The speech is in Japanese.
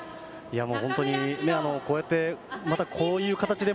本当にこうやってまたこういう形で